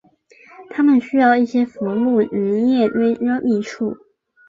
它们需要一些浮木及叶堆遮蔽处。